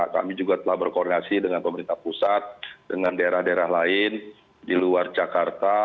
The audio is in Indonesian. kami juga telah berkoordinasi dengan pemerintah pusat dengan daerah daerah lain di luar jakarta